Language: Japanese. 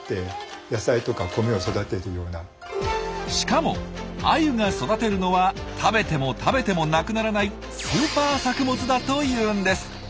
しかもアユが育てるのは食べても食べてもなくならない「スーパー作物」だというんです！